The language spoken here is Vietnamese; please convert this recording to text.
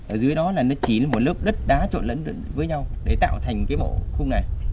ở dưới đó là nó chỉ là một lớp đất đá trộn lẫn với nhau để tạo thành cái bộ khung này